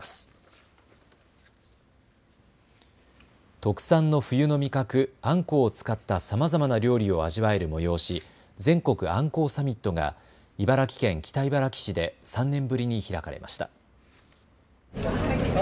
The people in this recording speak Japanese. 特産の冬の味覚、あんこうを使ったさまざまな料理を味わえる催し、全国あんこうサミットが茨城県北茨城市で３年ぶりに開かれました。